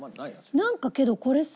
なんかけどこれさ。